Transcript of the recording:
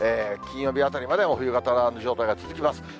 金曜日あたりまでも冬型の状態が続きます。